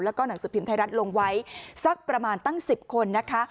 แล้วก็หนังสือพิมพ์ไทยรัฐลงไว้สักประมาณตั้ง๑๐คนนะคะ